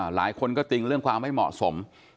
หลายคนก็ติงเรื่องความไม่เหมาะสม